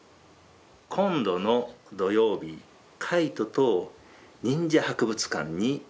今度の土曜日カイトと忍者博物館に行きます。